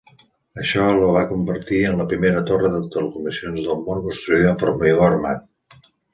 Això la va convertir en la primera torre de telecomunicacions del món construïda amb formigó armat.